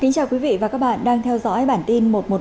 cảm ơn các bạn đã theo dõi